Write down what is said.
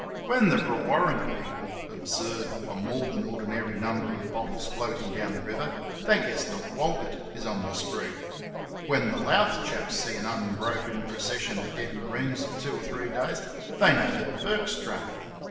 When the Brewarrina people observe a more than ordinary number of bottles floating down the river, they guess that Walgett is on the spree; when the Louth chaps see an unbroken procession of dead marines for three or four days they know that Bourke's drunk.